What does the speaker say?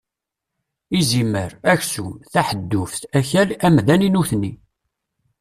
Izimer, aksum, taḥedduft, akal, amdan i nutni.